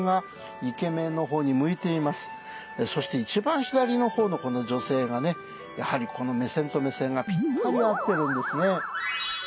そして一番左の方のこの女性がねやはりこの目線と目線がぴったり合ってるんですね。